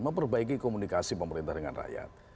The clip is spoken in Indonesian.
memperbaiki komunikasi pemerintah dengan rakyat